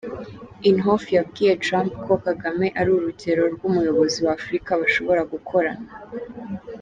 Inhofe yabwiye Trump ko Kagame ari urugero rw’umuyobozi wa Afurika bashobora gukorana.